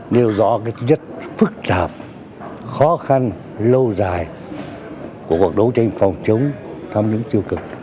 nêu rõ rất phức tạp khó khăn lâu dài của cuộc đấu tranh phòng chống tham nhũng tiêu cực